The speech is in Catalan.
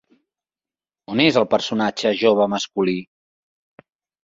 On és el personatge jove masculí?